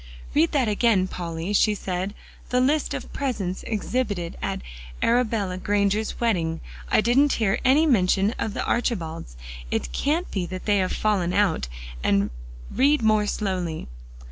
"Read that again, Polly," she said, "the list of presents exhibited at Arabella Granger's wedding. I didn't hear any mention of the Archibalds. It can't be that they have fallen out; and read more slowly."